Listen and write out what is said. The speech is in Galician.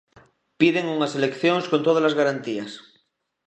Piden unhas eleccións con tódalas garantías.